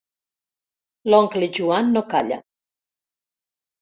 L'oncle Joan no calla.